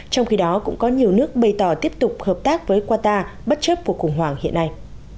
trong khi đó cũng có nhiều nước bày tỏ tiếp tục hợp tác với qatar bất chấp cuộc khủng hoảng hiện nay